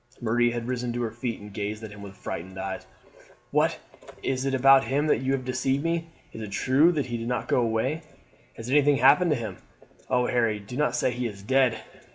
Marie had risen to her feet and gazed at him with frightened eyes. "What, is it about him that you deceived me! Is it true that he did not go away? Has anything happened to him? Oh, Harry, do not say he is dead!"